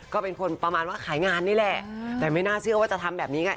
ก็เป็นคนประมาณว่าขายงานนี่แหละแต่ไม่น่าเชื่อว่าจะทำแบบนี้ไง